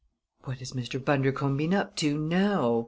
"What has Mr. Bundercombe been up to now?"